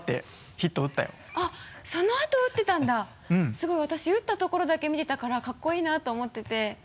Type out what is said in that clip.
すごい私打ったところだけ見てたからかっこいいなと思ってて。